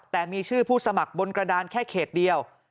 แต่มีชื่อผู้สมัครบนกระดานแค่เขตเดียว